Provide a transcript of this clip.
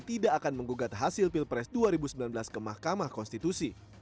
tidak akan menggugat hasil pilpres dua ribu sembilan belas ke mahkamah konstitusi